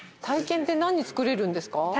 体験って何作れるんですか？